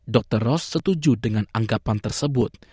dr ros setuju dengan anggapan tersebut